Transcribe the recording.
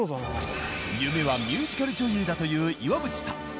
夢はミュージカル女優だという岩淵さん。